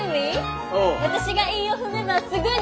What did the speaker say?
私が韻を踏めばすぐに！